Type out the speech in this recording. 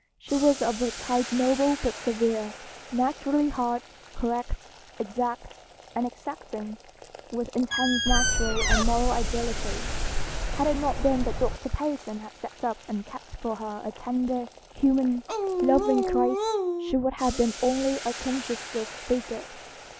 She was of a type noble but severe, naturally hard, correct, exact and exacting, with intense natural and moral ideality. Had it not been that Doctor Payson had set up and kept before her a tender, human, loving Christ, she would have been only a conscientious bigot.